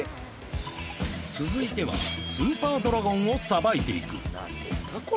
続いてはスーパードラゴンをさばいていく何ですか？